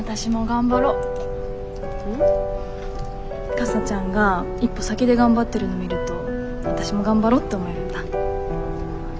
かさちゃんが一歩先で頑張ってるの見るとわたしも頑張ろうって思えるんだ。